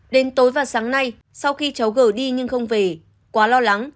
đến tối và sáng nay sau khi cháu gờ đi nhưng không về quá lo lắng